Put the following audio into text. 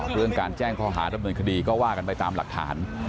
เรื่องการแจ้งภาษาจัดมุลคดีก็ว่ากันไปตามหลักฐาน